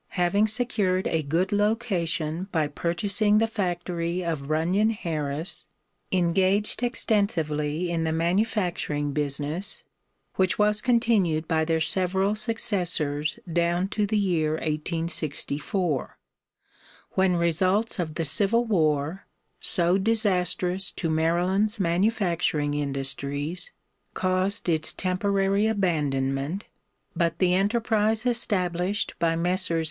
having secured a good location by purchasing the factory of Runyon Harris, engaged extensively in the manufacturing business, which was continued by their several successors down to the year 1864, when results of the civil war (so disastrous to Maryland's manufacturing industries) caused its temporary abandonment, but the enterprise established by Messrs.